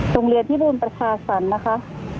โรงเรียนที่บูรณ์ประชาศัลนะคะ